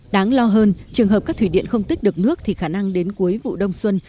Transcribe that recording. đáng lo hơn trường hợp các thủy điện không tích được nước thì khả năng đến cuối vụ đông xuân